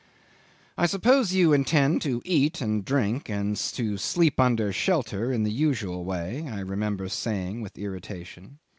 '"I suppose you intend to eat and drink and to sleep under shelter in the usual way," I remember saying with irritation.